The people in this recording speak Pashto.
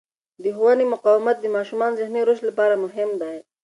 د ښوونې مقاومت د ماشومانو ذهني رشد لپاره مهم دی.